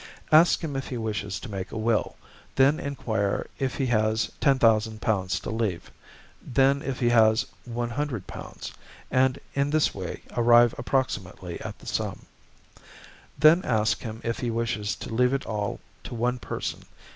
Ask him if he wishes to make a will, then inquire if he has £10,000 to leave, then if he has £100, and in this way arrive approximately at the sum. Then ask him if he wishes to leave it all to one person.